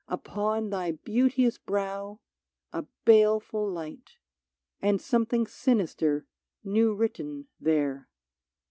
Upon thy beauteous brow a baleful light, And something sinister, new written there.